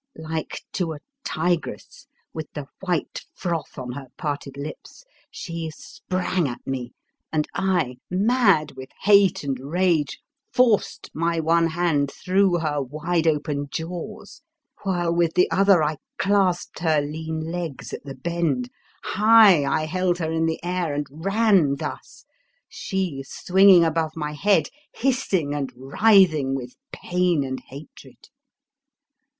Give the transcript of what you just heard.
Like to a tigress, with the white froth on her parted lips, she sprang at me, and I, mad with hate and rage, forced my one hand through her wide open jaws, while with the other I clasped her lean legs at the bend. High I held her in the air and ran thus, she swinging above my head, hissing and writhing with pain and hatred.